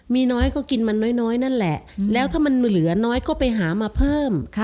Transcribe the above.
มีน้อยก็กินมันน้อยนั่นแหละแล้วถ้ามันเหลือน้อยก็ไปหามาเพิ่ม